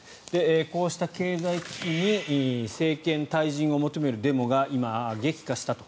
こうした経済危機に政権退陣を求めるデモが激化したと。